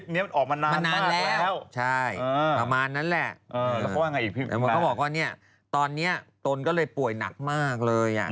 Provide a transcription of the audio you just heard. เออมันนานแล้วใช่ประมาณนั้นแหละแล้วเขาบอกว่าตอนนี้โตนก็เลยป่วยหนักมากเลย